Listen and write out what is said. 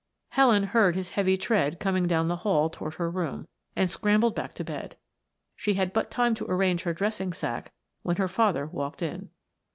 Helen heard his heavy tread coming down the hall toward her room, and scrambled back to bed. She had but time to arrange her dressing sacque when her father walked in.